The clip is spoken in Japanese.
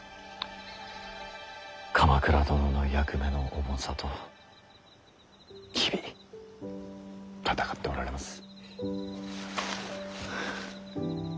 鎌倉殿の役目の重さと日々闘っておられます。